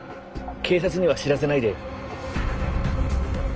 警察には知らせないで。